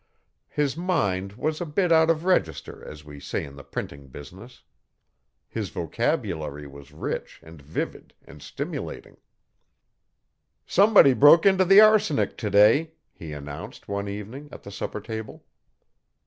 His mind was a bit out of register as we say in the printing business. His vocabulary was rich and vivid and stimulating. 'Somebody broke into the arsenic today,' he announced, one evening, at the supper table.